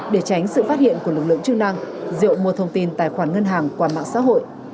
để tránh sự phát hiện của lực lượng chức năng diệu mua thông tin tài khoản ngân hàng qua mạng xã hội